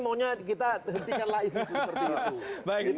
maunya kita hentikanlah isu seperti itu